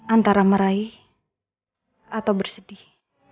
antara meraih atau bersedih